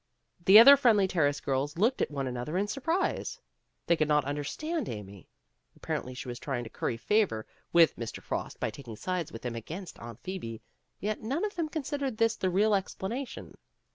The other Friendly Terrace girls looked at one another in surprise. They could not understand Amy. Apparently she was trying to curry favor with Mr. Frost by taking sides with him against Aunt Phoebe, yet none of them considered this the real explanation.